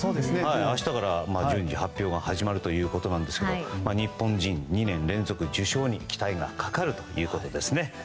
明日から順次発表が始まるということですが日本人２年連続受賞に期待がかかるということです。